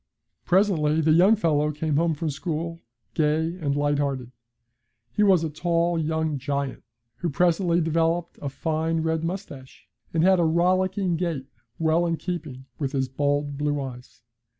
Presently the young fellow came home from school, gay and light hearted. He was a tall young giant, who presently developed a fine red moustache, and had a rollicking gait well in keeping with his bold blue eyes.